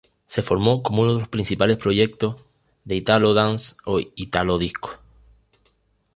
Se formó como uno de los principales proyectos de Italo dance o Italo Disco.